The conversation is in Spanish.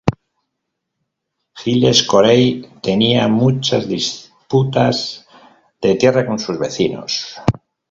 Giles Corey tenía muchas disputas de tierra con sus vecinos.